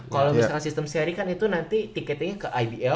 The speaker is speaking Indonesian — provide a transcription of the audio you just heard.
kalau misalnya sistem seri kan itu nanti tiketnya ke ibl